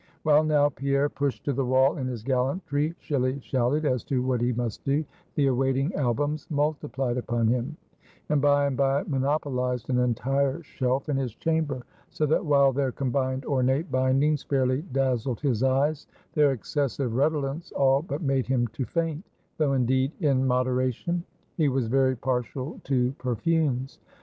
While now Pierre pushed to the wall in his gallantry shilly shallied as to what he must do, the awaiting albums multiplied upon him; and by and by monopolized an entire shelf in his chamber; so that while their combined ornate bindings fairly dazzled his eyes, their excessive redolence all but made him to faint, though indeed, in moderation, he was very partial to perfumes.